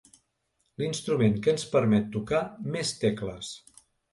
L'instrument que ens permet tocar més tecles.